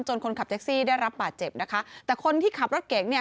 คนขับแท็กซี่ได้รับบาดเจ็บนะคะแต่คนที่ขับรถเก่งเนี่ย